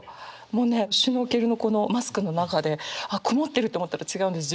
もうねシュノーケルのこのマスクの中であっ曇ってると思ったら違うんです。